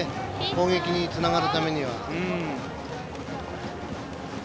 攻撃につながるためには。